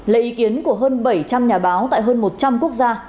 lấy ý kiến của hơn bảy trăm linh nhà báo tại hơn một trăm linh quốc gia